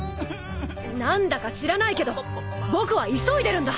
何だか知らないけど僕は急いでるんだ！